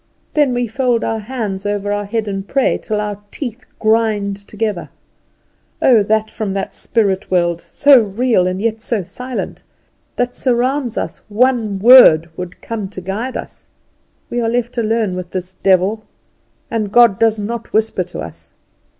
Then we fold our hands over our head and pray, till our teeth grind together. Oh, that from that spirit world, so real and yet so silent, that surrounds us, one word would come to guide us! We are left alone with this devil; and God does not whisper to us.